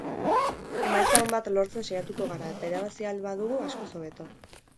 Emaitza on bat lortzen saiatuko gara eta irabazi ahal badugu, askoz hobeto.